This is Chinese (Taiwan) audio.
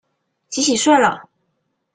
洗洗睡了